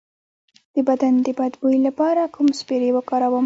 د بدن د بد بوی لپاره کوم سپری وکاروم؟